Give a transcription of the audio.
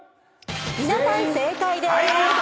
皆さん正解でーす。